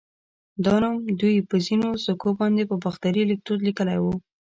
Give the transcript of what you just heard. دا نوم دوی په ځینو سکو باندې په باختري ليکدود لیکلی و